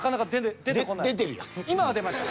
今は出ました。